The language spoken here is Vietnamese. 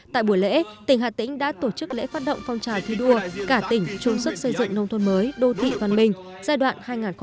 tại buổi lễ tỉnh hà tĩnh đã tổ chức lễ phát động phong trào thi đua cả tỉnh chung sức xây dựng nông thôn mới đô thị văn minh giai đoạn hai nghìn một mươi sáu hai nghìn hai mươi